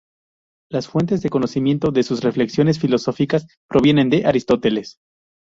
Las fuentes de conocimiento de sus reflexiones filosóficas provienen de Aristóteles.